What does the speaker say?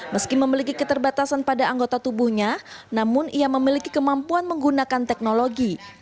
meski memiliki keterbatasan pada anggota tubuhnya namun ia memiliki kemampuan menggunakan teknologi